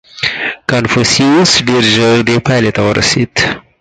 • کنفوسیوس ډېر ژر دې پایلې ته ورسېد.